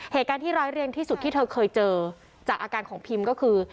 เหตุการณ์ที่ร้อยเรียงที่สุดที่เธอเคยเจอจากอาการของพิมก็คือ